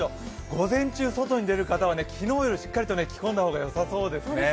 午前中、外に出る方は昨日よりしっかりと着込んだ方がよさそうですね。